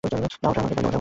দাও, ওটা আমাকে দাও।